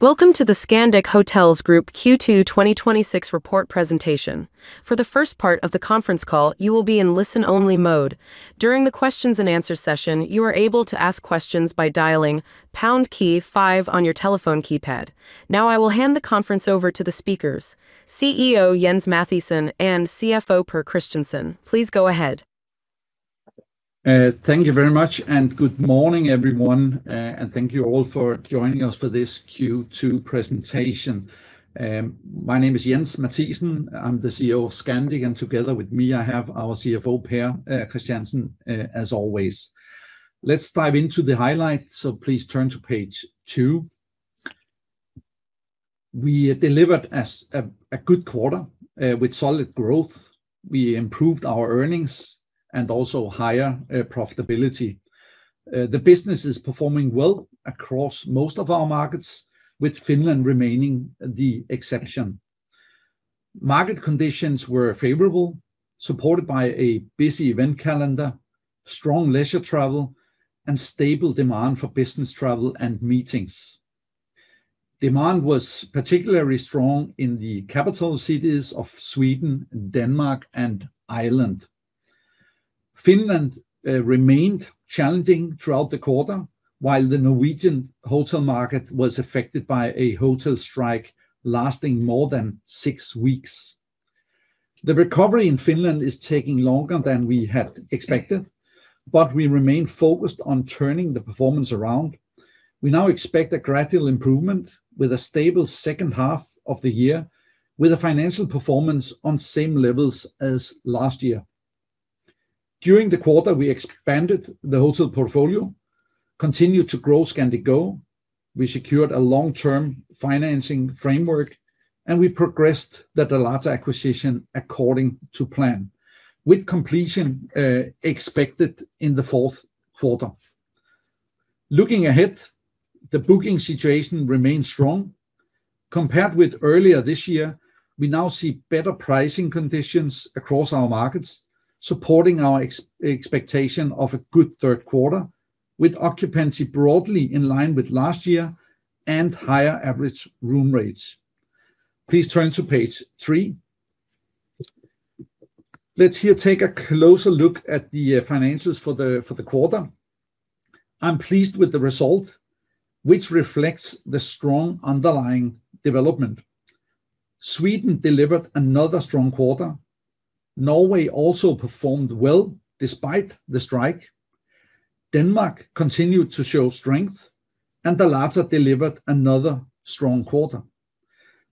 Welcome to the Scandic Hotels Group Q2 2026 report presentation. For the first part of the conference call, you will be in listen-only mode. During the questions and answers session, you are able to ask questions by dialing pound key five on your telephone keypad. I will hand the conference over to the speakers, CEO Jens Mathiesen and CFO Pär Christiansen. Please go ahead. Thank you very much and good morning, everyone, and thank you all for joining us for this Q2 presentation. My name is Jens Mathiesen. I'm the CEO of Scandic, and together with me, I have our CFO, Pär Christiansen, as always. Let's dive into the highlights. Please turn to page two. We delivered a good quarter with solid growth. We improved our earnings and also higher profitability. The business is performing well across most of our markets, with Finland remaining the exception. Market conditions were favorable, supported by a busy event calendar, strong leisure travel, and stable demand for business travel and meetings. Demand was particularly strong in the capital cities of Sweden, Denmark, and Ireland. Finland remained challenging throughout the quarter, while the Norwegian hotel market was affected by a hotel strike lasting more than six weeks. The recovery in Finland is taking longer than we had expected. We remain focused on turning the performance around. We now expect a gradual improvement with a stable second half of the year, with a financial performance on same levels as last year. During the quarter, we expanded the hotel portfolio, continued to grow Scandic Go, we secured a long-term financing framework, and we progressed the Dalata acquisition according to plan, with completion expected in the fourth quarter. Looking ahead, the booking situation remains strong. Compared with earlier this year, we now see better pricing conditions across our markets, supporting our expectation of a good third quarter, with occupancy broadly in line with last year and higher average room rates. Please turn to page three. Let's here take a closer look at the financials for the quarter. I'm pleased with the result, which reflects the strong underlying development. Sweden delivered another strong quarter. Norway also performed well despite the strike. Denmark continued to show strength. Dalata delivered another strong quarter.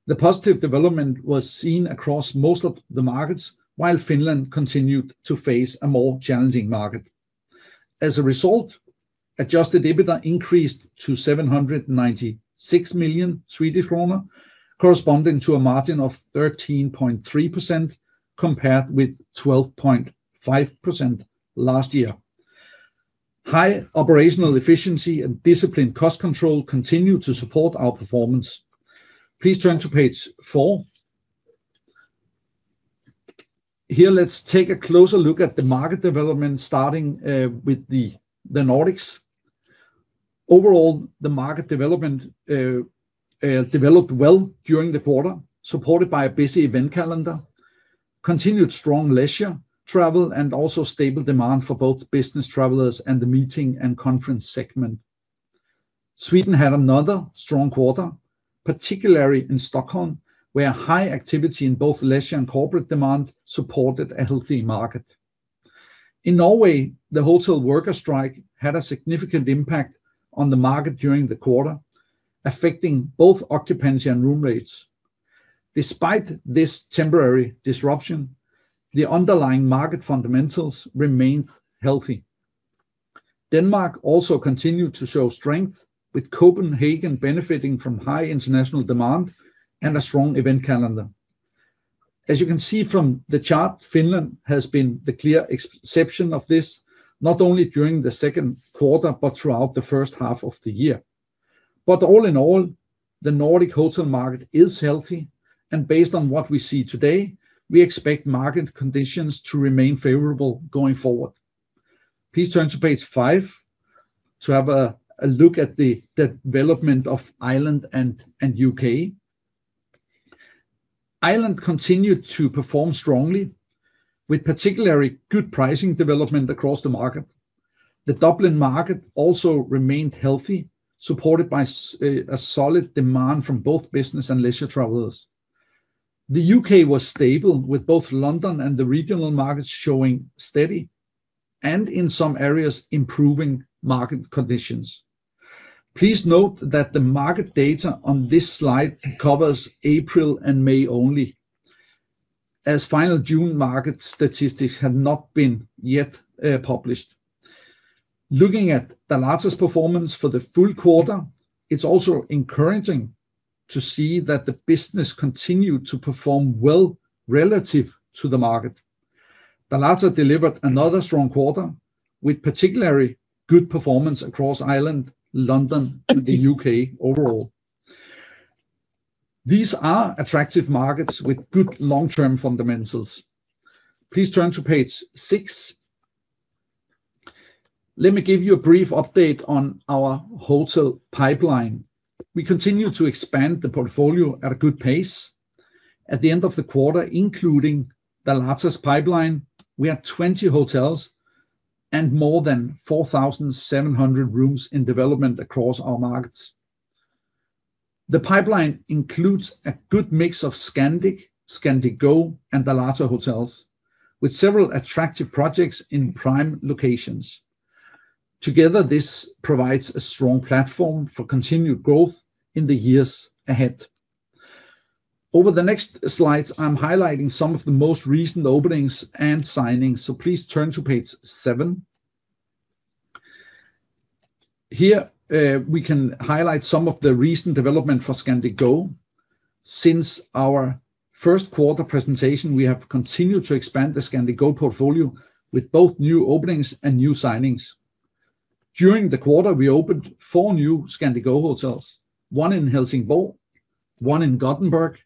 The positive development was seen across most of the markets, while Finland continued to face a more challenging market. As a result, adjusted EBITDA increased to 796 million Swedish kronor, corresponding to a margin of 13.3%, compared with 12.5% last year. High operational efficiency and disciplined cost control continue to support our performance. Please turn to page four. Here, let's take a closer look at the market development, starting with the Nordics. Overall, the market development developed well during the quarter, supported by a busy event calendar, continued strong leisure travel, and also stable demand for both business travelers and the meeting and conference segment. Sweden had another strong quarter, particularly in Stockholm, where high activity in both leisure and corporate demand supported a healthy market. In Norway, the hotel worker strike had a significant impact on the market during the quarter, affecting both occupancy and room rates. Despite this temporary disruption, the underlying market fundamentals remained healthy. Denmark also continued to show strength, with Copenhagen benefiting from high international demand and a strong event calendar. As you can see from the chart, Finland has been the clear exception of this, not only during the second quarter, but throughout the first half of the year. All in all, the Nordic hotel market is healthy, and based on what we see today, we expect market conditions to remain favorable going forward. Please turn to page five to have a look at the development of Ireland and U.K. Ireland continued to perform strongly, with particularly good pricing development across the market. The Dublin market also remained healthy, supported by a solid demand from both business and leisure travelers. The U.K. was stable, with both London and the regional markets showing steady, and in some areas, improving market conditions. Please note that the market data on this slide covers April and May only, as final June market statistics had not been yet published. Looking at Dalata's performance for the full quarter, it's also encouraging to see that the business continued to perform well relative to the market. Dalata delivered another strong quarter with particularly good performance across Ireland, London, and the U.K. overall. These are attractive markets with good long-term fundamentals. Please turn to page six. Let me give you a brief update on our hotel pipeline. We continue to expand the portfolio at a good pace. At the end of the quarter, including Dalata's pipeline, we had 20 hotels and more than 4,700 rooms in development across our markets. The pipeline includes a good mix of Scandic Go, and Dalata hotels, with several attractive projects in prime locations. Together, this provides a strong platform for continued growth in the years ahead. Over the next slides, I'm highlighting some of the most recent openings and signings, so please turn to page seven. Here, we can highlight some of the recent development for Scandic Go. Since our first quarter presentation, we have continued to expand the Scandic Go portfolio with both new openings and new signings. During the quarter, we opened four new Scandic Go hotels, one in Helsingborg, one in Gothenburg,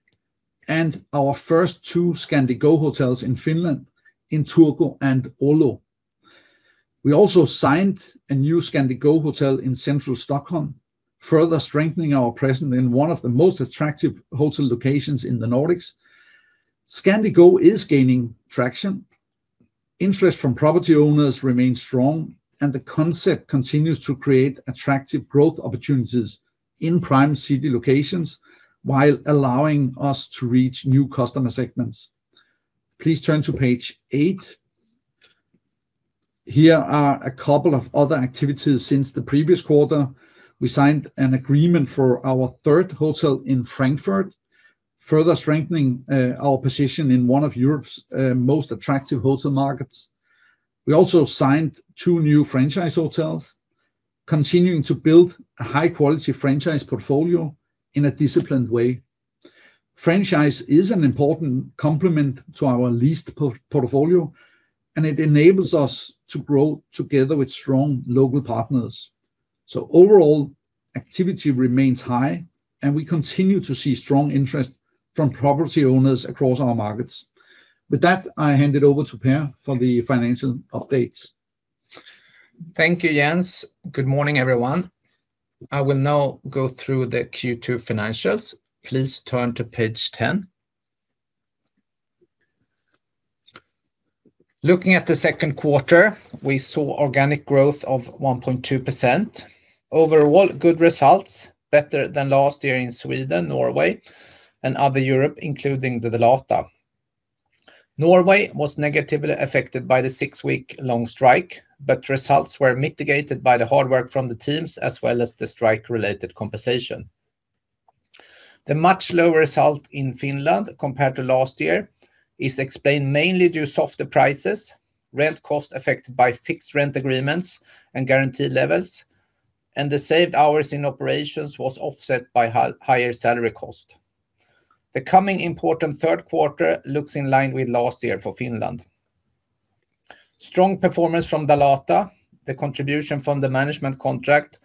and our first two Scandic Go hotels in Finland in Turku and Oulu. We also signed a new Scandic Go hotel in central Stockholm, further strengthening our presence in one of the most attractive hotel locations in the Nordics. Scandic Go is gaining traction. Interest from property owners remains strong, and the concept continues to create attractive growth opportunities in prime city locations while allowing us to reach new customer segments. Please turn to page eight. Here are a couple of other activities since the previous quarter. We signed an agreement for our third hotel in Frankfurt, further strengthening our position in one of Europe's most attractive hotel markets. We also signed two new franchise hotels, continuing to build a high-quality franchise portfolio in a disciplined way. Franchise is an important complement to our leased portfolio, and it enables us to grow together with strong local partners. Overall, activity remains high, and we continue to see strong interest from property owners across our markets. With that, I hand it over to Pär for the financial updates. Thank you, Jens. Good morning, everyone. I will now go through the Q2 financials. Please turn to page 10. Looking at the second quarter, we saw organic growth of 1.2%. Overall, good results, better than last year in Sweden, Norway, and other Europe, including the Dalata. Norway was negatively affected by the six-week-long strike, but results were mitigated by the hard work from the teams as well as the strike-related compensation. The much lower result in Finland compared to last year is explained mainly due to softer prices, rent cost affected by fixed rent agreements and guaranteed levels, and the saved hours in operations was offset by higher salary cost. The coming important third quarter looks in line with last year for Finland. Strong performance from Dalata. The contribution from the management contract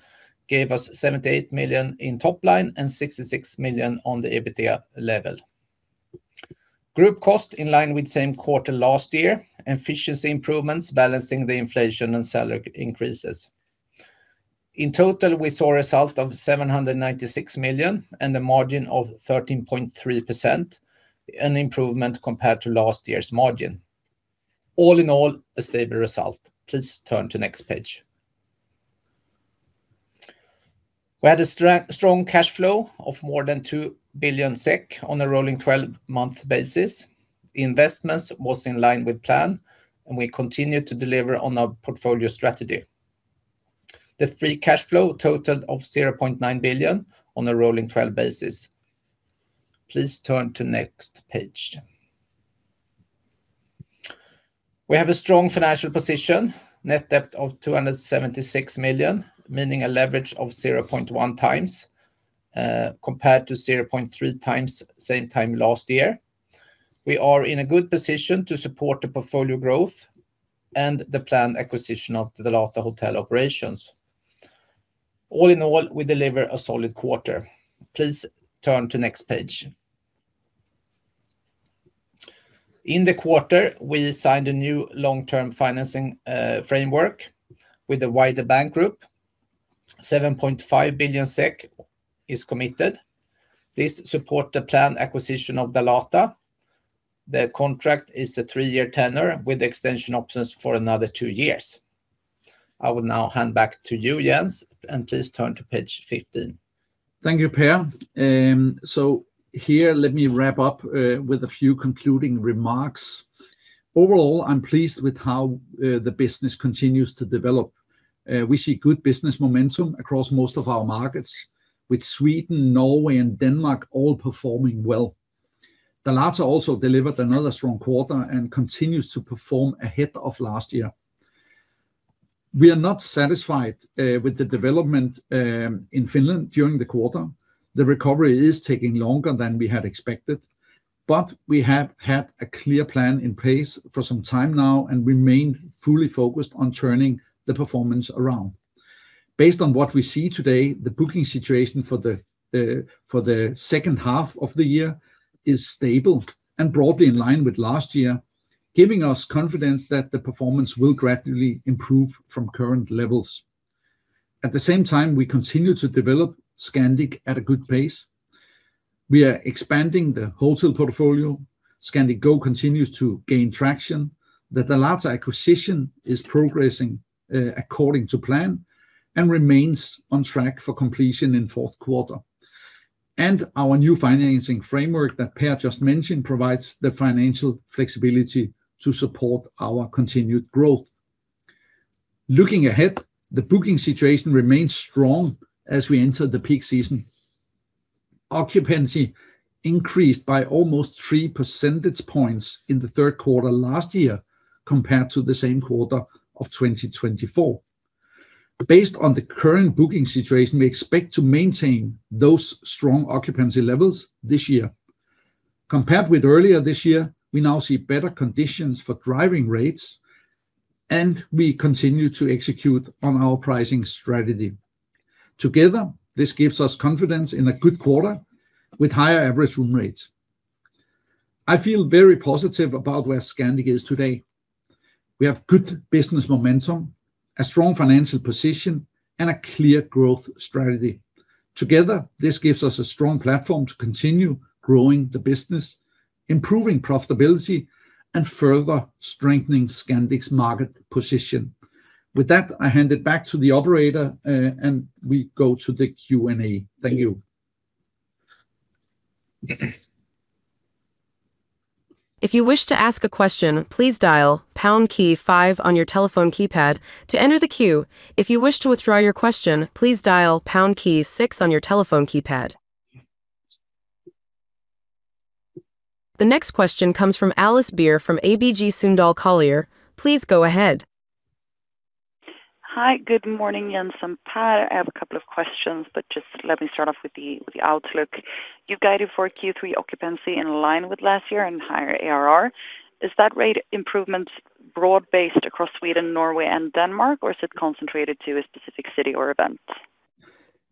gave us 78 million in top line and 66 million on the EBITDA level. Group cost in line with same quarter last year. Efficiency improvements balancing the inflation and salary increases. In total, we saw a result of 796 million and a margin of 13.3%, an improvement compared to last year's margin. All in all, a stable result. Please turn to next page. We had a strong cash flow of more than 2 billion SEK on a rolling 12-month basis. Investments was in line with plan, and we continued to deliver on our portfolio strategy. The free cash flow totaled of 0.9 billion on a rolling 12 basis. Please turn to next page. We have a strong financial position, net debt of 276 million, meaning a leverage of 0.1x, compared to 0.3x same time last year. We are in a good position to support the portfolio growth and the planned acquisition of Dalata Hotel Operations. All in all, we deliver a solid quarter. Please turn to next page. In the quarter, we signed a new long-term financing framework with the wider bank group. 7.5 billion SEK is committed. This support the planned acquisition of Dalata. The contract is a three-year tenor with extension options for another two years. I will now hand back to you, Jens, and please turn to page 15. Thank you, Pär. Overall, I am pleased with how the business continues to develop. We see good business momentum across most of our markets, with Sweden, Norway, and Denmark all performing well. Dalata also delivered another strong quarter and continues to perform ahead of last year. We are not satisfied with the development in Finland during the quarter. The recovery is taking longer than we had expected. We have had a clear plan in place for some time now and remain fully focused on turning the performance around. Based on what we see today, the booking situation for the second half of the year is stable and broadly in line with last year, giving us confidence that the performance will gradually improve from current levels. At the same time, we continue to develop Scandic at a good pace. We are expanding the hotel portfolio. Scandic Go continues to gain traction. The Dalata acquisition is progressing according to plan and remains on track for completion in fourth quarter. Our new financing framework that Pär just mentioned provides the financial flexibility to support our continued growth. Looking ahead, the booking situation remains strong as we enter the peak season. Occupancy increased by almost 3 percentage points in the third quarter last year compared to the same quarter of 2024. Based on the current booking situation, we expect to maintain those strong occupancy levels this year. Compared with earlier this year, we now see better conditions for driving rates, and we continue to execute on our pricing strategy. Together, this gives us confidence in a good quarter with higher average room rates. I feel very positive about where Scandic is today. We have good business momentum, a strong financial position, and a clear growth strategy. Together, this gives us a strong platform to continue growing the business, improving profitability, and further strengthening Scandic's market position. With that, I hand it back to the operator, and we go to the Q&A. Thank you. If you wish to ask a question, please dial pound key five on your telephone keypad to enter the queue. If you wish to withdraw your question, please dial pound key six on your telephone keypad. The next question comes from Alice Beer from ABG Sundal Collier. Please go ahead. Hi. Good morning, Jens and Pär. I have a couple of questions. Just let me start off with the outlook. You guided for Q3 occupancy in line with last year and higher ARR. Is that rate improvement broad-based across Sweden, Norway, and Denmark, or is it concentrated to a specific city or event?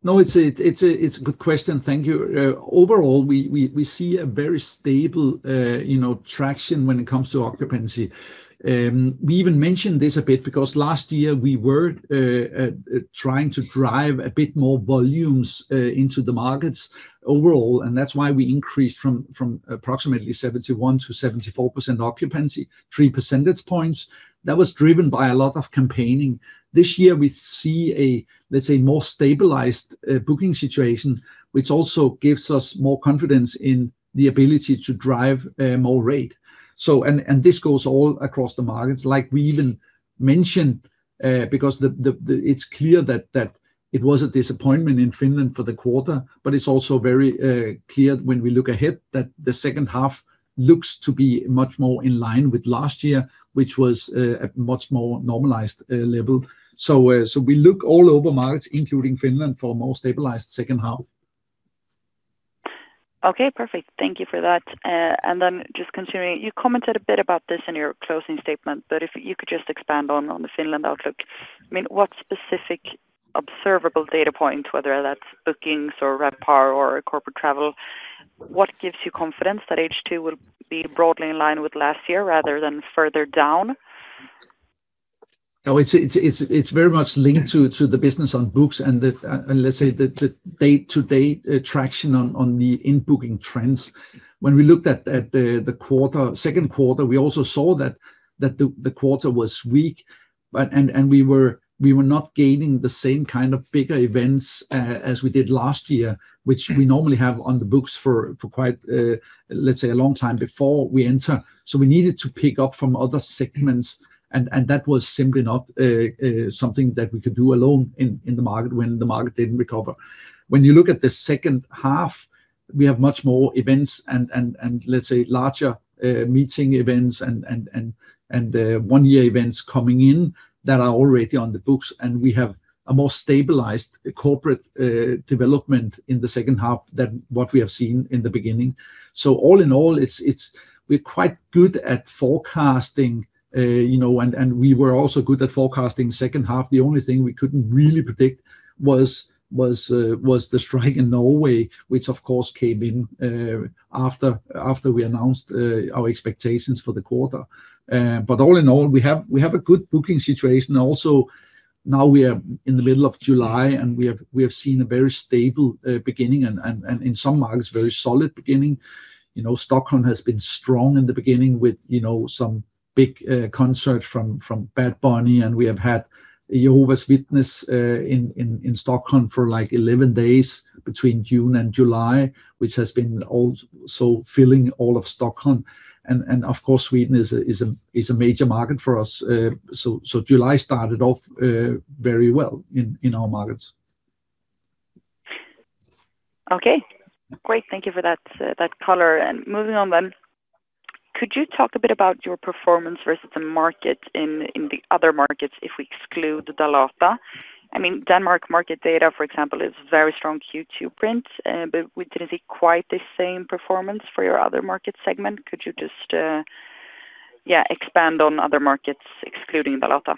It's a good question. Thank you. Overall, we see a very stable traction when it comes to occupancy. We even mentioned this a bit because last year we were trying to drive a bit more volumes into the markets overall, that's why we increased from approximately 71%-74% occupancy, 3 percentage points. That was driven by a lot of campaigning. This year we see a, let's say, more stabilized booking situation, which also gives us more confidence in the ability to drive more rate. This goes all across the markets. Like we even mentioned, because it's clear that it was a disappointment in Finland for the quarter, but it's also very clear when we look ahead that the second half looks to be much more in line with last year, which was a much more normalized level. We look all over markets, including Finland, for a more stabilized second half. Okay, perfect. Thank you for that. Just continuing, you commented a bit about this in your closing statement, but if you could just expand on the Finland outlook. What specific observable data points, whether that's bookings or RevPAR or corporate travel, what gives you confidence that H2 will be broadly in line with last year rather than further down? No, it's very much linked to the business on books and let's say the day-to-day traction on the in-booking trends. When we looked at the second quarter, we also saw that the quarter was weak, and we were not gaining the same kind of bigger events as we did last year, which we normally have on the books for quite a long time before we enter. We needed to pick up from other segments, and that was simply not something that we could do alone in the market when the market didn't recover. When you look at the second half, we have much more events and let's say larger meeting events and one-year events coming in that are already on the books, and we have a more stabilized corporate development in the second half than what we have seen in the beginning. All in all, we're quite good at forecasting, and we were also good at forecasting second half. The only thing we couldn't really predict was the strike in Norway, which of course came in after we announced our expectations for the quarter. All in all, we have a good booking situation. Also, now we are in the middle of July, and we have seen a very stable beginning and in some markets, very solid beginning. Stockholm has been strong in the beginning with some big concert from Bad Bunny, and we have had Jehovah's Witnesses in Stockholm for 11 days between June and July, which has been also filling all of Stockholm. Of course, Sweden is a major market for us. July started off very well in our markets. Okay. Great. Thank you for that color. Moving on then, could you talk a bit about your performance versus the market in the other markets if we exclude Dalata? Denmark market data, for example, is very strong Q2 prints. We didn't see quite the same performance for your other market segment. Could you just Yeah, expand on other markets excluding Dalata.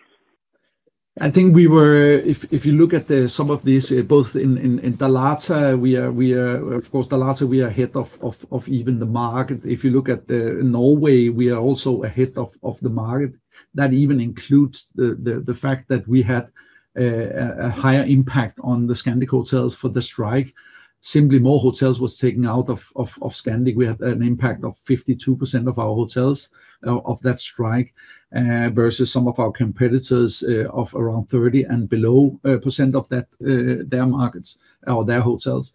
I think if you look at some of these, both in Dalata, of course, we are ahead of even the market. If you look at Norway, we are also ahead of the market. That even includes the fact that we had a higher impact on the Scandic Hotels for the strike. Simply more hotels was taken out of Scandic. We had an impact of 52% of our hotels of that strike, versus some of our competitors of around 30% and below of their markets or their hotels.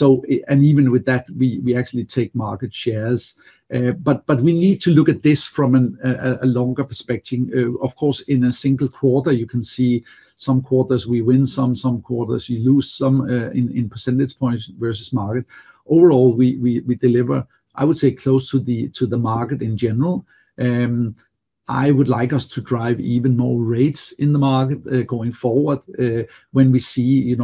Even with that, we actually take market shares. We need to look at this from a longer perspective. Of course, in a single quarter, you can see some quarters we win some quarters you lose some in percentage points versus market. Overall, we deliver, I would say, close to the market in general. I would like us to drive even more rates in the market going forward, when we see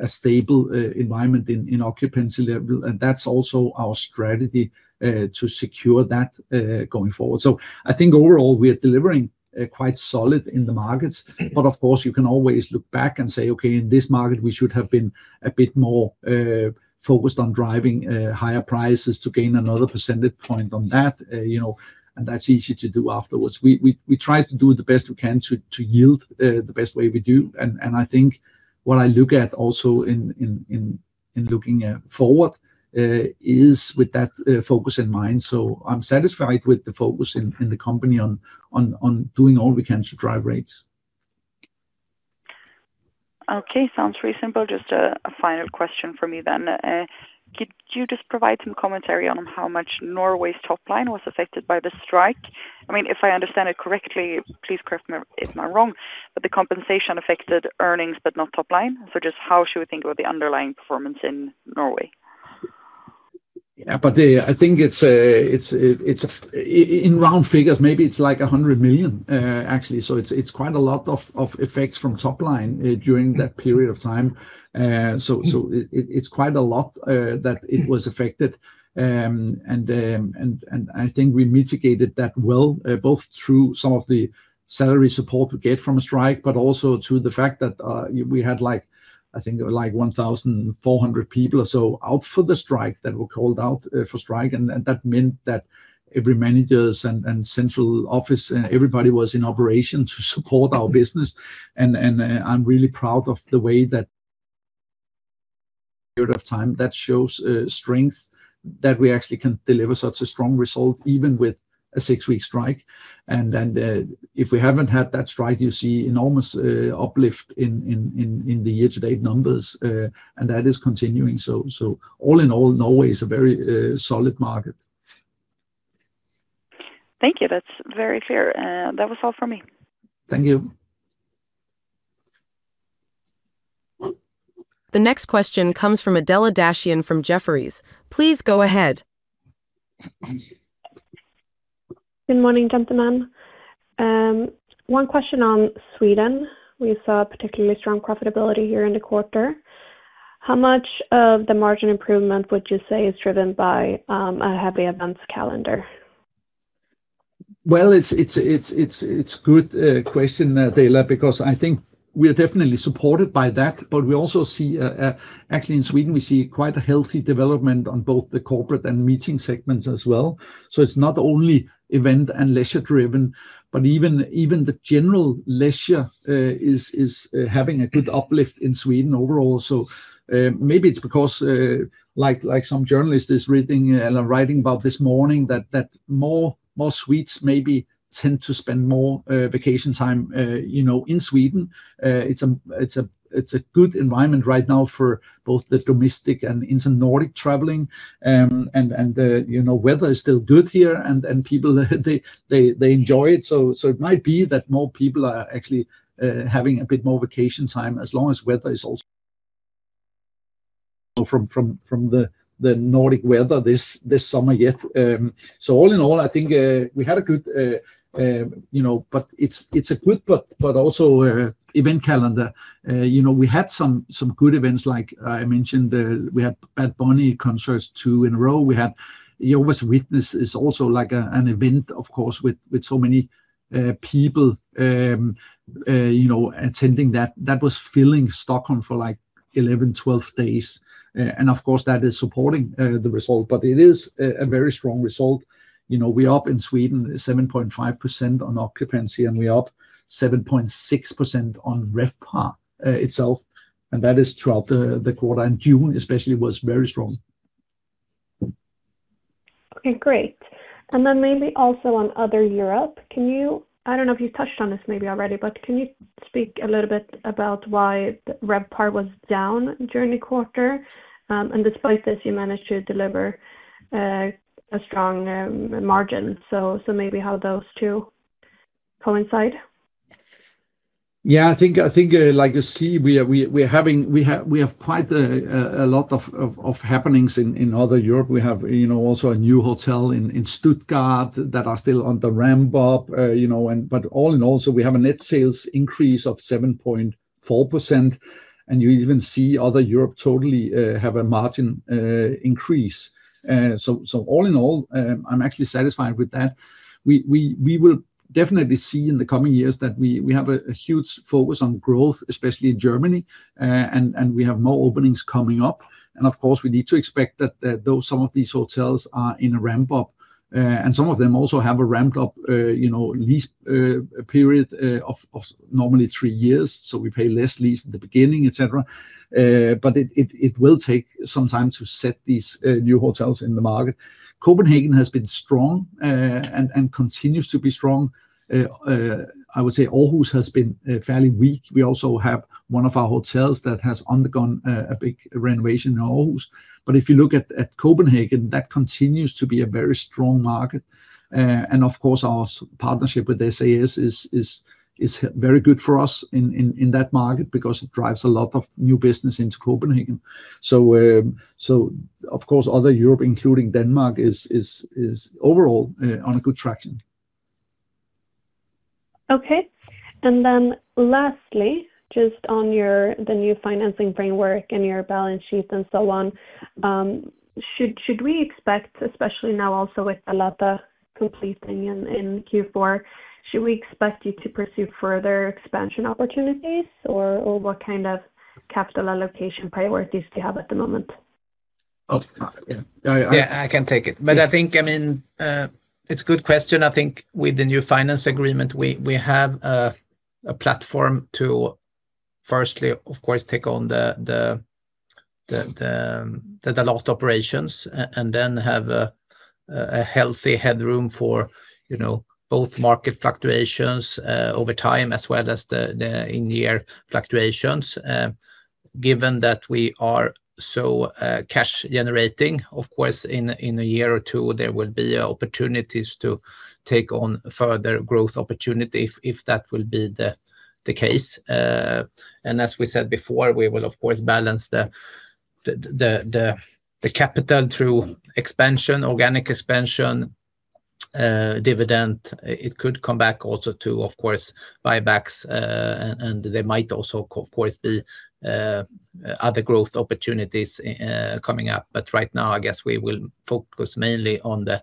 a stable environment in occupancy level. That's also our strategy to secure that going forward. I think overall, we are delivering quite solid in the markets. Of course, you can always look back and say, okay, in this market, we should have been a bit more focused on driving higher prices to gain another percentage point on that. That's easy to do afterwards. We try to do the best we can to yield the best way we do. I think what I look at also in looking forward is with that focus in mind. I'm satisfied with the focus in the company on doing all we can to drive rates. Okay. Sounds very simple. Just a final question from me then. Could you just provide some commentary on how much Norway's top line was affected by the strike? If I understand it correctly, please correct me if I'm wrong, but the compensation affected earnings, but not top line. Just how should we think about the underlying performance in Norway? Yeah. I think in round figures, maybe it's like 100 million, actually. It's quite a lot of effects from top line during that period of time. It's quite a lot that it was affected. I think we mitigated that well, both through some of the salary support we get from a strike, but also through the fact that we had, I think it was 1,400 people or so out for the strike, that were called out for strike. That meant that every managers and central office, everybody was in operation to support our business. I'm really proud of the way that... period of time. That shows strength that we actually can deliver such a strong result, even with a six-week strike. If we haven't had that strike, you see enormous uplift in the year-to-date numbers. That is continuing. All in all, Norway is a very solid market. Thank you. That's very clear. That was all from me. Thank you. The next question comes from Adela Dashian from Jefferies. Please go ahead. Good morning, gentlemen. One question on Sweden. We saw particularly strong profitability here in the quarter. How much of the margin improvement would you say is driven by a heavy events calendar? Well, it's a good question, Adela, because I think we are definitely supported by that. We also see, actually in Sweden, we see quite a healthy development on both the corporate and meeting segments as well. It's not only event and leisure-driven, but even the general leisure is having a good uplift in Sweden overall. Maybe it's because like some journalist is writing about this morning, that more Swedes maybe tend to spend more vacation time in Sweden. It's a good environment right now for both the domestic and inter-Nordic traveling. The weather is still good here and people, they enjoy it. It might be that more people are actually having a bit more vacation time, as long as weather is from the Nordic weather this summer yet. All in all, I think we had a good, but also event calendar. We had some good events, like I mentioned, we had Bad Bunny concerts, two in a row. We had, Jehovah's Witnesses is also like an event, of course, with so many people attending that. That was filling Stockholm for 11, 12 days. Of course that is supporting the result, but it is a very strong result. We are up in Sweden 7.5% on occupancy, and we are up 7.6% on RevPAR itself, and that is throughout the quarter. June especially was very strong. Okay, great. Maybe also on other Europe. I don't know if you have touched on this maybe already, but can you speak a little bit about why RevPAR was down during the quarter? Despite this, you managed to deliver a strong margin. Maybe how those two coincide. Yeah, I think, like you see, we have quite a lot of happenings in Other Europe. We have also a new hotel in Stuttgart that are still on the ramp up. All in all, we have a net sales increase of 7.4%, and you even see Other Europe totally have a margin increase. All in all, I am actually satisfied with that. We will definitely see in the coming years that we have a huge focus on growth, especially in Germany, and we have more openings coming up. Of course, we need to expect that though some of these hotels are in a ramp up, and some of them also have a ramp up lease period of normally three years, so we pay less lease at the beginning, et cetera. It will take some time to set these new hotels in the market. Copenhagen has been strong, continues to be strong. I would say Aarhus has been fairly weak. We also have one of our hotels that has undergone a big renovation in Aarhus. If you look at Copenhagen, that continues to be a very strong market. Of course, our partnership with SAS is very good for us in that market because it drives a lot of new business into Copenhagen. Of course, Other Europe, including Denmark, is overall on a good traction. Okay. Lastly, just on the new financing framework and your balance sheet and so on, should we expect, especially now also with Dalata completing in Q4, should we expect you to pursue further expansion opportunities? What kind of capital allocation priorities do you have at the moment? Oh. Yeah, I can take it. I think it's a good question. I think with the new finance agreement, we have a platform to firstly, of course, take on the Dalata operations, then have a healthy headroom for both market fluctuations over time as well as the in-year fluctuations. Given that we are so cash generating, of course, in a year or two, there will be opportunities to take on further growth opportunity if that will be the case. As we said before, we will of course balance the capital through expansion, organic expansion, dividend. It could come back also to, of course, buybacks, there might also, of course, be other growth opportunities coming up. Right now, I guess we will focus mainly on the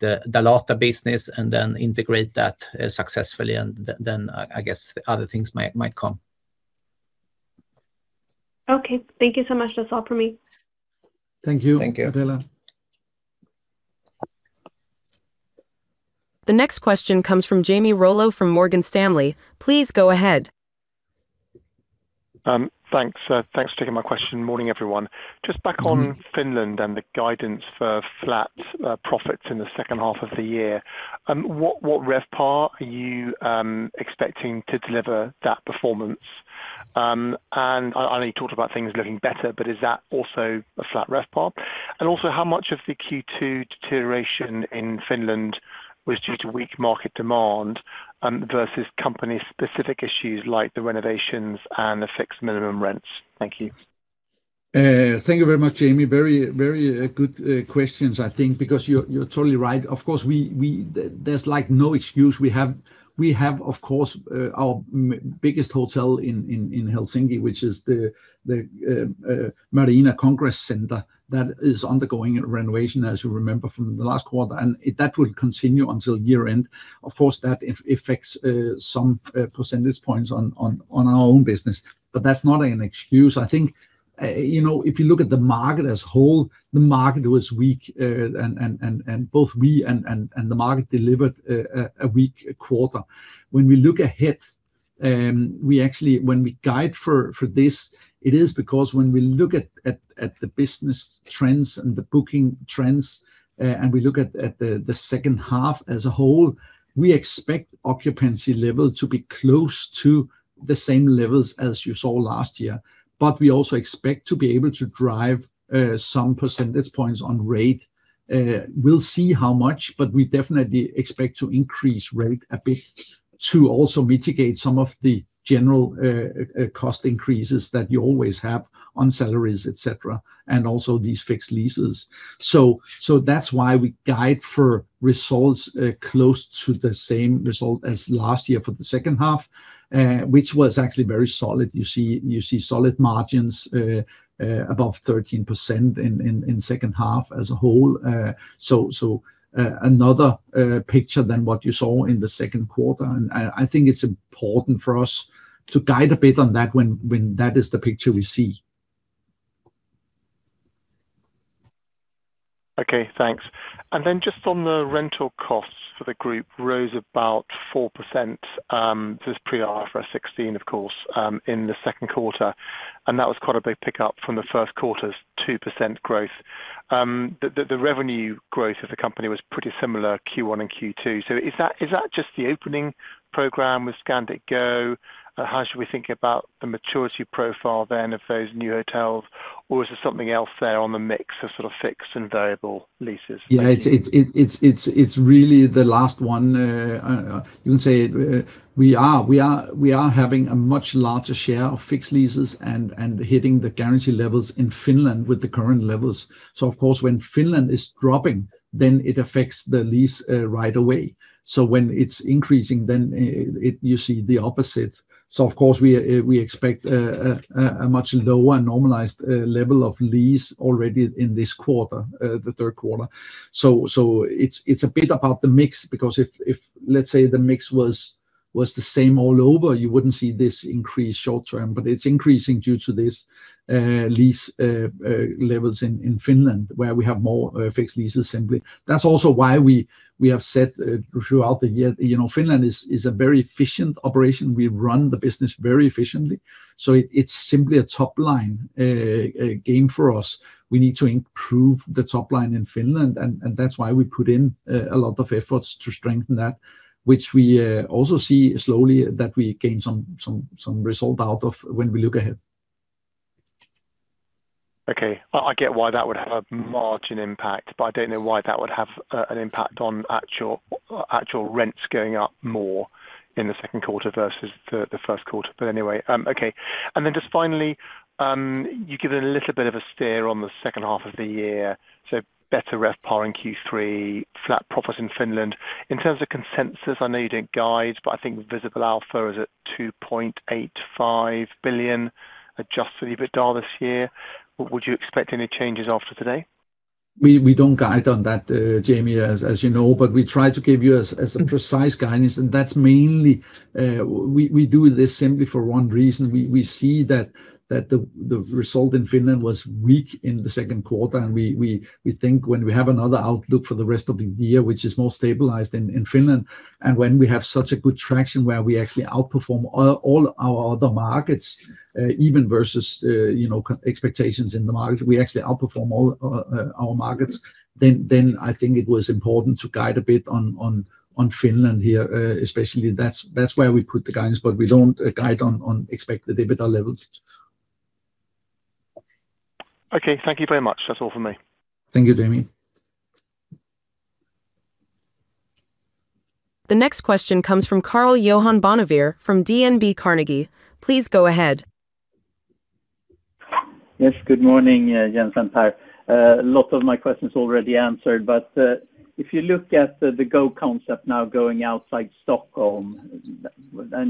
Dalata business and then integrate that successfully, and then I guess other things might come. Okay. Thank you so much. That's all for me. Thank you. Thank you. Adela. The next question comes from Jamie Rollo from Morgan Stanley. Please go ahead. Thanks. Thanks for taking my question. Morning, everyone. Just back on Finland and the guidance for flat profits in the second half of the year. What RevPAR are you expecting to deliver that performance? I know you talked about things looking better, but is that also a flat RevPAR? How much of the Q2 deterioration in Finland was due to weak market demand, versus company specific issues like the renovations and the fixed minimum rents? Thank you. Thank you very much, Jamie. Very good questions, I think, because you're totally right. Of course, there's no excuse. We have, of course, our biggest hotel in Helsinki, which is the Marina Congress Center that is undergoing renovation, as you remember from the last quarter, and that will continue until year-end. Of course, that affects some percentage points on our own business, but that's not an excuse. I think, if you look at the market as whole, the market was weak, and both we and the market delivered a weak quarter. When we look ahead, we actually, when we guide for this, it is because when we look at the business trends and the booking trends, and we look at the second half as a whole, we expect occupancy level to be close to the same levels as you saw last year. We also expect to be able to drive some percentage points on rate. We'll see how much, but we definitely expect to increase rate a bit to also mitigate some of the general cost increases that you always have on salaries, et cetera, and also these fixed leases. That's why we guide for results close to the same result as last year for the second half, which was actually very solid. You see solid margins above 13% in second half as a whole. Another picture than what you saw in the second quarter, and I think it's important for us to guide a bit on that when that is the picture we see. Okay, thanks. Then just on the rental costs for the group rose about 4%, this is pre-IFRS 16, of course, in the second quarter, and that was quite a big pickup from the first quarter's 2% growth. The revenue growth of the company was pretty similar Q1 and Q2. Is that just the opening program with Scandic Go? How should we think about the maturity profile then of those new hotels? Is there something else there on the mix of fixed and variable leases? Yeah. It's really the last one. You can say we are having a much larger share of fixed leases and hitting the guarantee levels in Finland with the current levels. Of course, when Finland is dropping, it affects the lease right away. When it's increasing, you see the opposite. Of course, we expect a much lower normalized level of lease already in this quarter, the third quarter. It's a bit about the mix, because if let's say the mix was the same all over, you wouldn't see this increase short term. It's increasing due to this lease levels in Finland where we have more fixed leases simply. That's also why we have said throughout the year, Finland is a very efficient operation. We run the business very efficiently. It's simply a top-line game for us. We need to improve the top line in Finland. That's why we put in a lot of efforts to strengthen that, which we also see slowly that we gain some result out of when we look ahead. Okay. I get why that would have a margin impact. I don't know why that would have an impact on actual rents going up more in the second quarter versus the first quarter. Anyway, okay. Just finally, you give it a little bit of a steer on the second half of the year. Better RevPAR in Q3, flat profits in Finland. In terms of consensus, I know you didn't guide, but I think Visible Alpha is at 2.85 billion adjusted EBITDA this year. Would you expect any changes after today? We don't guide on that, Jamie, as you know. We try to give you as precise guidance. That's mainly, we do this simply for one reason. We see that the result in Finland was weak in the second quarter. We think when we have another outlook for the rest of the year, which is more stabilized in Finland, and when we have such a good traction where we actually outperform all our other markets, even versus expectations in the market. We actually outperform all our markets. I think it was important to guide a bit on Finland here, especially that's where we put the guidance. We don't guide on expected EBITDA levels. Okay. Thank you very much. That's all for me. Thank you, Jamie. The next question comes from Karl-Johan Bonnevier from DNB Carnegie. Please go ahead. Yes, good morning, Jens and Pär. A lot of my questions already answered. If you look at the Scandic Go concept now going outside Stockholm,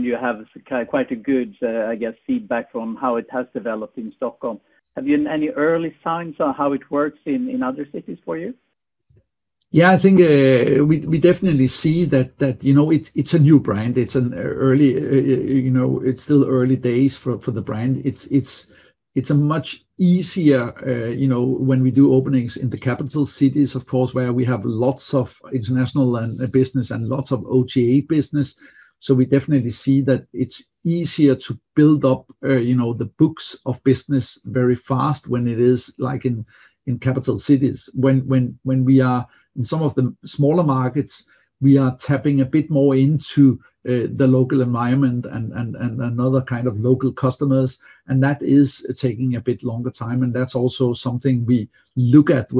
you have quite a good, I guess, feedback from how it has developed in Stockholm. Have you any early signs on how it works in other cities for you? I think we definitely see that it's a new brand. It's still early days for the brand. It's a much easier when we do openings in the capital cities, of course, where we have lots of international business and lots of OTA business. We definitely see that it's easier to build up the books of business very fast when it is like in capital cities. When we are in some of the smaller markets, we are tapping a bit more into the local environment and another kind of local customers, and that is taking a bit longer time. That's also something we look at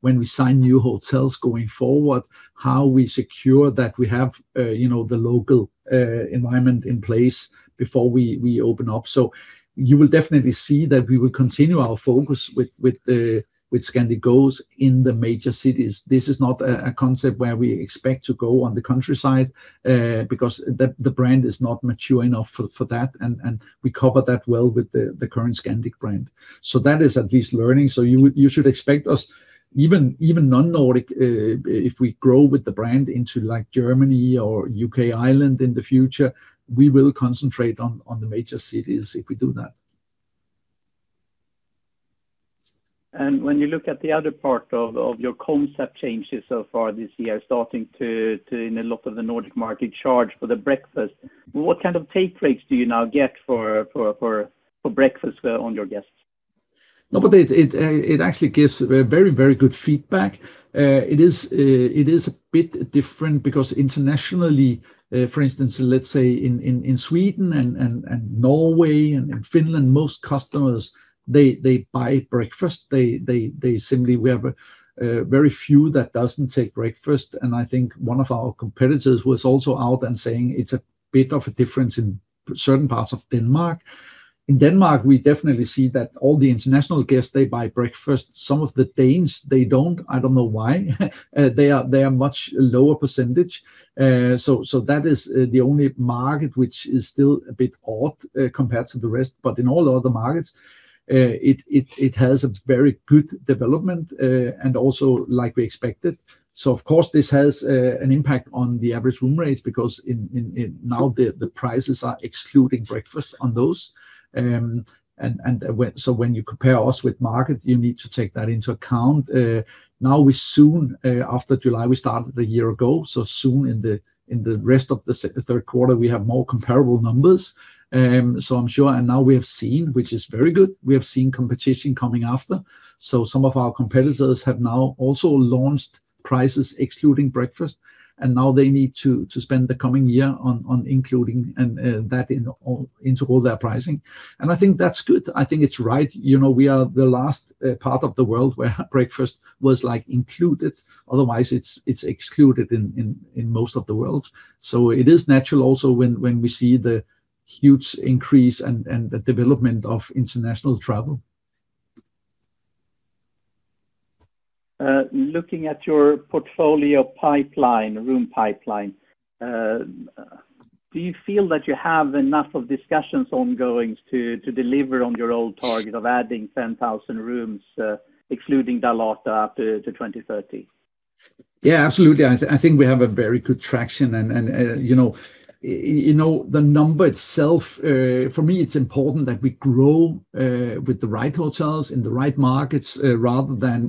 when we sign new hotels going forward, how we secure that we have the local environment in place before we open up. You will definitely see that we will continue our focus with Scandic Go in the major cities. This is not a concept where we expect to go on the countryside, because the brand is not mature enough for that, and we cover that well with the current Scandic brand. That is at least learning. You should expect us even non-Nordic, if we grow with the brand into Germany or U.K., Ireland in the future, we will concentrate on the major cities if we do that. When you look at the other part of your concept changes so far this year, starting to, in a lot of the Nordic market, charge for the breakfast. What kind of take rates do you now get for breakfast on your guests? It actually gives very good feedback. It is a bit different because internationally, for instance, let's say in Sweden and Norway and Finland, most customers, they buy breakfast. They simply, we have very few that doesn't take breakfast. I think one of our competitors was also out and saying it's a bit of a difference in certain parts of Denmark. In Denmark, we definitely see that all the international guests, they buy breakfast. Some of the Danes, they don't. I don't know why. They are much lower percentage. That is the only market which is still a bit odd compared to the rest. In all other markets, it has a very good development, and also like we expected. Of course, this has an impact on the average room rates because now the prices are excluding breakfast on those. When you compare us with market, you need to take that into account. Now we soon, after July, we started a year ago, so soon in the rest of the third quarter, we have more comparable numbers. I'm sure, and now we have seen, which is very good. We have seen competition coming after. Some of our competitors have now also launched prices excluding breakfast, and now they need to spend the coming year on including that into all their pricing. I think that's good. I think it's right. We are the last part of the world where breakfast was included. Otherwise, it's excluded in most of the world. It is natural also when we see the huge increase and the development of international travel. Looking at your portfolio pipeline, room pipeline, do you feel that you have enough of discussions ongoing to deliver on your old target of adding 10,000 rooms, excluding Dalata, to 2030? Yeah, absolutely. I think we have a very good traction. The number itself, for me, it's important that we grow with the right hotels in the right markets rather than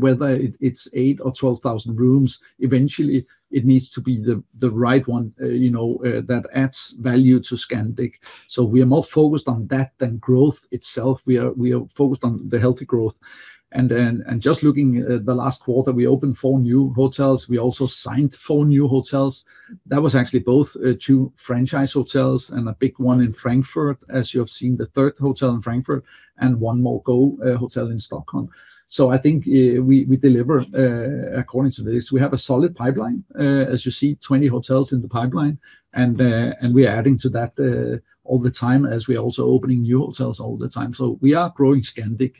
whether it's 8,000 or 12,000 rooms. Eventually, it needs to be the right one that adds value to Scandic. We are more focused on that than growth itself. We are focused on the healthy growth. Just looking at the last quarter, we opened four new hotels. We also signed four new hotels. That was actually both two franchise hotels and a big one in Frankfurt, as you have seen, the third hotel in Frankfurt, and one more Scandic Go hotel in Stockholm. I think we deliver according to this. We have a solid pipeline, as you see, 20 hotels in the pipeline. We are adding to that all the time as we are also opening new hotels all the time. We are growing Scandic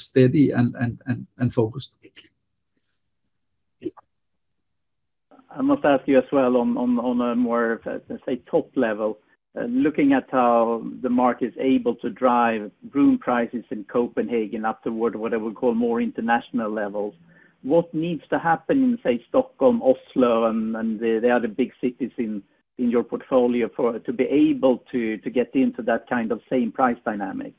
steady and focused. I must ask you as well on a more, let's say, top level, looking at how the market is able to drive room prices in Copenhagen up toward what I would call more international levels. What needs to happen in, say, Stockholm, Oslo, and the other big cities in your portfolio to be able to get into that kind of same price dynamic?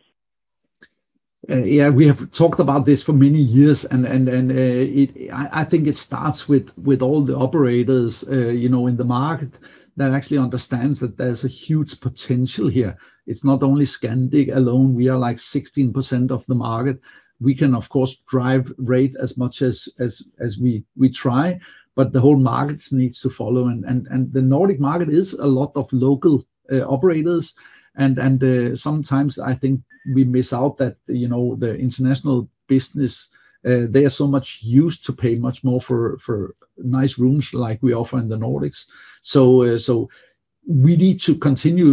Yeah, we have talked about this for many years. I think it starts with all the operators in the market that actually understands that there's a huge potential here. It's not only Scandic alone. We are like 16% of the market. We can, of course, drive rate as much as we try, but the whole markets needs to follow. The Nordic market is a lot of local operators, and sometimes I think we miss out that the international business, they are so much used to pay much more for nice rooms like we offer in the Nordics. We need to continue.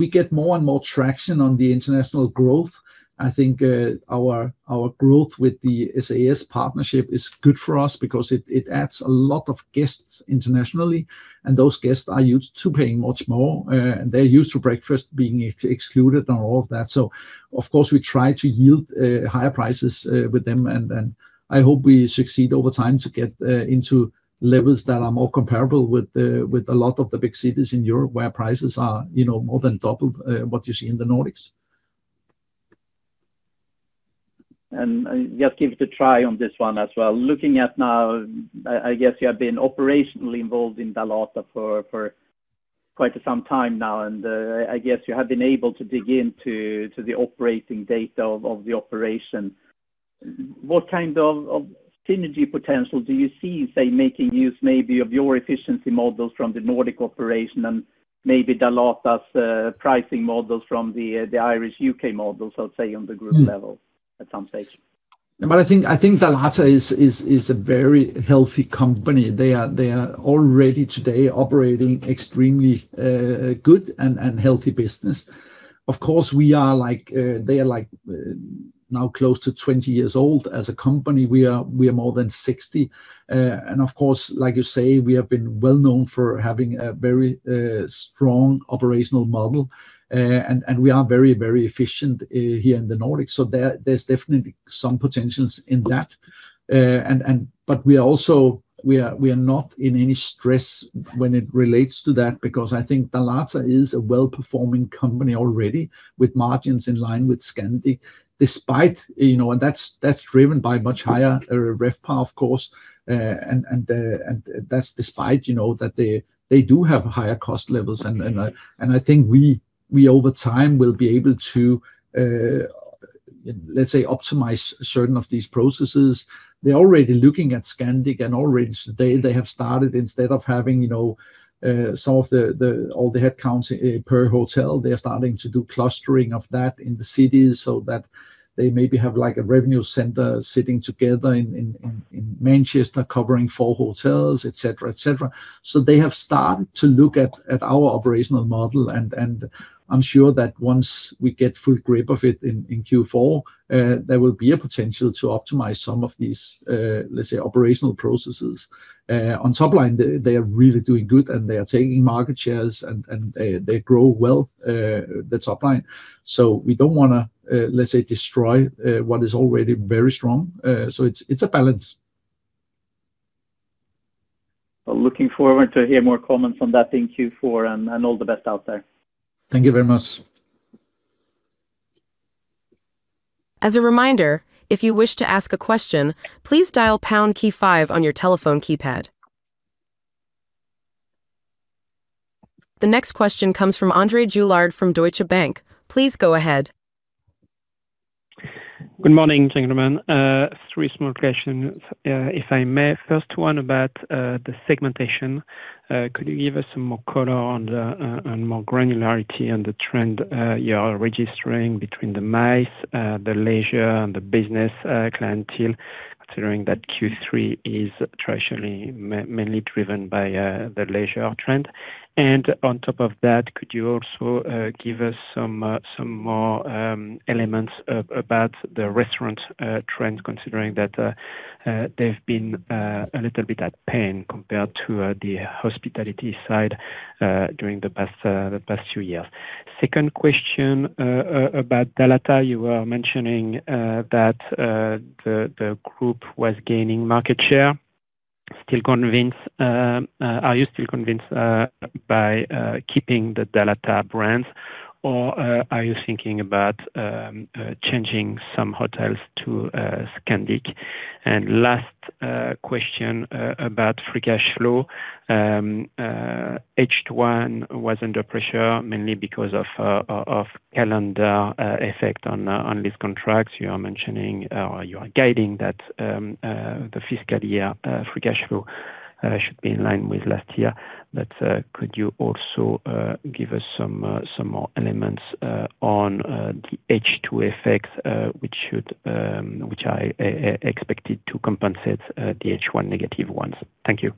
We get more and more traction on the international growth. I think our growth with the SAS partnership is good for us because it adds a lot of guests internationally, and those guests are used to paying much more. They're used to breakfast being excluded and all of that. Of course, we try to yield higher prices with them, and I hope we succeed over time to get into levels that are more comparable with a lot of the big cities in Europe where prices are more than double what you see in the Nordics. Just give it a try on this one as well. Looking at now, I guess you have been operationally involved in Dalata for quite some time now, and I guess you have been able to dig into the operating data of the operation. What kind of synergy potential do you see in, say, making use maybe of your efficiency models from the Nordic operation and maybe Dalata's pricing models from the Irish, U.K. models, let's say, on the group level at some stage? I think Dalata is a very healthy company. They are already today operating extremely good and healthy business. Of course, they are now close to 20 years old as a company. We are more than 60. Of course, like you say, we have been well-known for having a very strong operational model, and we are very efficient here in the Nordics. There's definitely some potentials in that. We are not in any stress when it relates to that, because I think Dalata is a well-performing company already with margins in line with Scandic, despite, and that's driven by much higher RevPAR, of course, and that's despite that they do have higher cost levels. I think we, over time, will be able to, let's say, optimize certain of these processes. They're already looking at Scandic, and already they have started, instead of having all the headcounts per hotel, they're starting to do clustering of that in the cities so that they maybe have a revenue center sitting together in Manchester covering four hotels, et cetera. They have started to look at our operational model, and I'm sure that once we get full grip of it in Q4, there will be a potential to optimize some of these, let's say, operational processes. On top line, they are really doing good, and they are taking market shares, and they grow well the top line. We don't want to, let's say, destroy what is already very strong. It's a balance. Looking forward to hear more comments on that in Q4. All the best out there. Thank you very much. As a reminder, if you wish to ask a question, please dial pound key five on your telephone keypad. The next question comes from André Juillard from Deutsche Bank. Please go ahead. Good morning, gentlemen. Three small questions, if I may. First one about the segmentation. Could you give us some more color on, and more granularity on the trend you are registering between the MICE, the leisure, and the business clientele? Considering that Q3 is traditionally mainly driven by the leisure trend. On top of that, could you also give us some more elements about the restaurant trend, considering that they've been a little bit at pain compared to the hospitality side during the past two years. Second question about Dalata. You were mentioning that the group was gaining market share. Are you still convinced by keeping the Dalata brands, or are you thinking about changing some hotels to Scandic? Last question, about free cash flow. H1 was under pressure mainly because of calendar effect on lease contracts. You are guiding that the fiscal year free cash flow should be in line with last year. Could you also give us some more elements on the H2 effects which I expected to compensate the H1 negative ones? Thank you.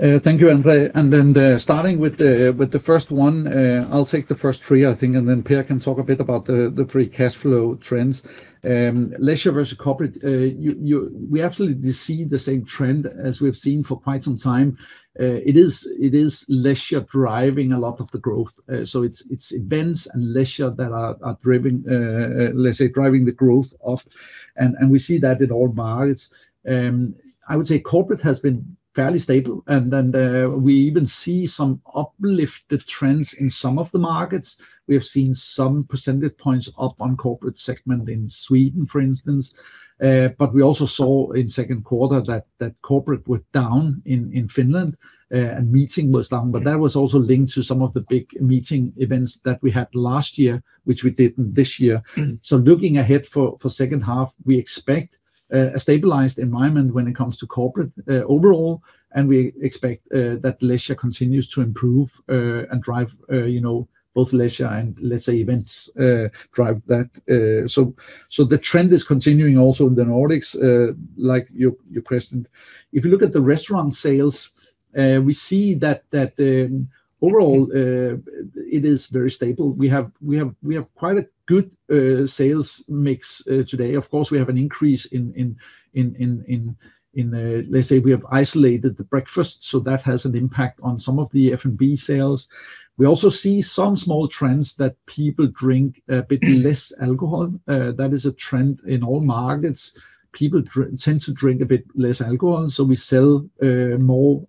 Thank you, André. Starting with the first one. I'll take the first three, I think, and then Pär can talk a bit about the free cash flow trends. Leisure versus corporate, we absolutely see the same trend as we have seen for quite some time. It is leisure driving a lot of the growth. It's events and leisure that are, let's say, driving the growth off. We see that in all markets. I would say corporate has been fairly stable, and then we even see some uplifted trends in some of the markets. We have seen some percentage points up on corporate segment in Sweden, for instance. We also saw in second quarter that corporate was down in Finland, and meeting was down. That was also linked to some of the big meeting events that we had last year, which we didn't this year. Looking ahead for second half, we expect a stabilized environment when it comes to corporate overall, and we expect that leisure continues to improve, and both leisure and, let's say, events drive that. The trend is continuing also in the Nordics, like you questioned. If you look at the restaurant sales, we see that overall, it is very stable. We have quite a good sales mix today. Of course, we have an increase in, we have isolated the breakfast, so that has an impact on some of the F&B sales. We also see some small trends that people drink a bit less alcohol. That is a trend in all markets. People tend to drink a bit less alcohol, so we sell more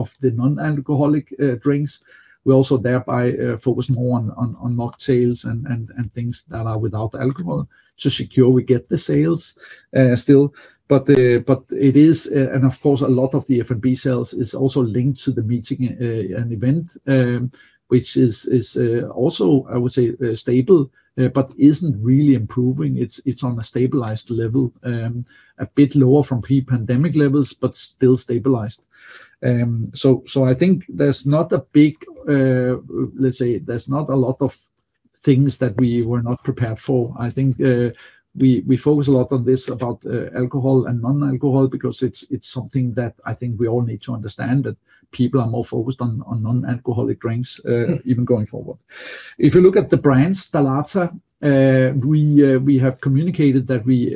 of the non-alcoholic drinks. We also thereby focus more on mocktails and things that are without alcohol to secure we get the sales still. Of course, a lot of the F&B sales is also linked to the meeting and event, which is also, I would say, stable, but isn't really improving. It's on a stabilized level, a bit lower from pre-pandemic levels, but still stabilized. I think there's not a big, let's say, there's not a lot of things that we were not prepared for. I think we focus a lot on this about alcohol and non-alcohol because it's something that I think we all need to understand that people are more focused on non-alcoholic drinks even going forward. If you look at the brands, Dalata, we have communicated that we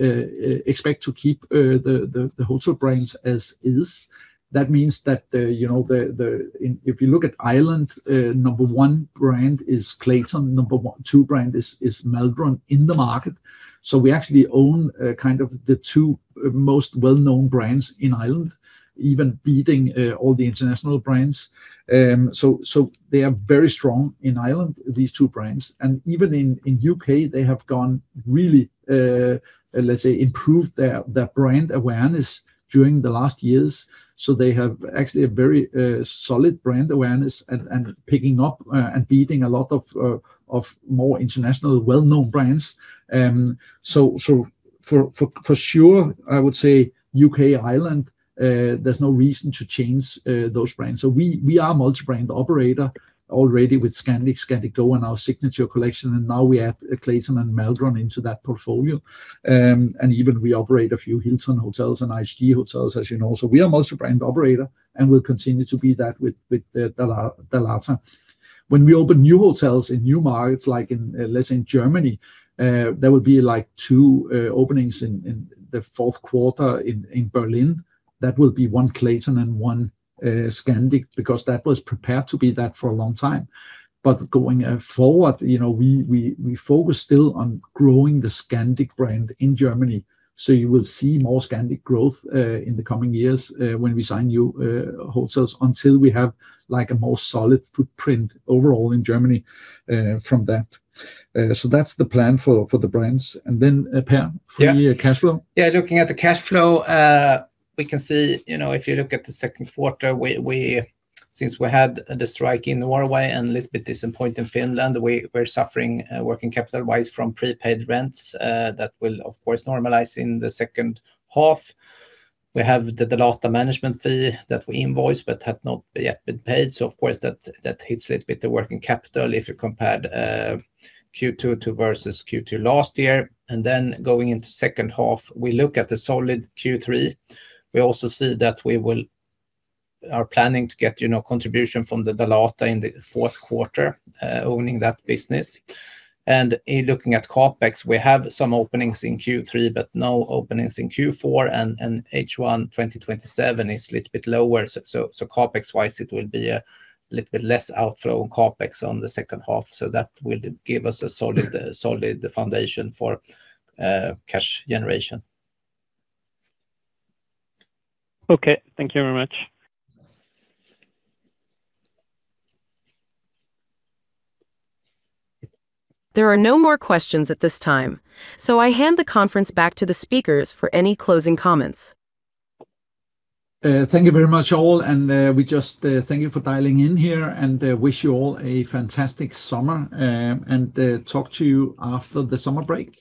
expect to keep the hotel brands as is. That means that if you look at Ireland, number one brand is Clayton, number two brand is Maldron in the market. We actually own kind of the two most well-known brands in Ireland, even beating all the international brands. They are very strong in Ireland, these two brands, and even in U.K., they have gone really, let's say, improved their brand awareness during the last years. They have actually a very solid brand awareness and picking up and beating a lot of more international, well-known brands. For sure, I would say U.K., Ireland, there's no reason to change those brands. We are multi-brand operator already with Scandic Go, and our Signature Collection, and now we add Clayton and Maldron into that portfolio. Even we operate a few Hilton Hotels and IHG Hotels, as you know. We are multi-brand operator, and we'll continue to be that with Dalata. When we open new hotels in new markets, like let's say in Germany, there will be two openings in the fourth quarter in Berlin. That will be one Clayton and one Scandic, because that was prepared to be that for a long time. Going forward, we focus still on growing the Scandic brand in Germany. You will see more Scandic growth in the coming years when we sign new hotels, until we have a more solid footprint overall in Germany from that. That's the plan for the brands. Then, Pär, free cash flow. Looking at the cash flow, we can see if you look at the second quarter, since we had the strike in Norway and a little bit disappointing Finland, we're suffering working capital-wise from prepaid rents. That will, of course, normalize in the second half. We have the Dalata management fee that we invoice but had not yet been paid. Of course, that hits a little bit the working capital if you compared Q2 versus Q2 last year. Then going into second half, we look at the solid Q3. We also see that we are planning to get contribution from the Dalata in the fourth quarter, owning that business. In looking at CapEx, we have some openings in Q3, but no openings in Q4, and H1 2027 is little bit lower. CapEx-wise, it will be a little bit less outflow on CapEx on the second half. That will give us a solid foundation for cash generation. Okay. Thank you very much. There are no more questions at this time. I hand the conference back to the speakers for any closing comments. Thank you very much, all, and we just thank you for dialing in here and wish you all a fantastic summer, and talk to you after the summer break.